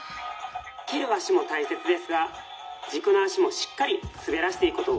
蹴る足も大切ですが軸の足もしっかり滑らせていくことを忘れずに」。